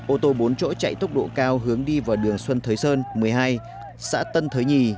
ô tô bốn chỗ chạy tốc độ cao hướng đi vào đường xuân thới sơn một mươi hai xã tân thới nhì